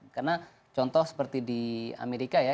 karena contoh seperti di amerika ya